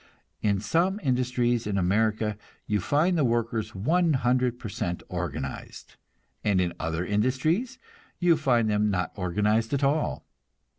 In some industries in America you find the workers one hundred per cent organized, and in other industries you find them not organized at all.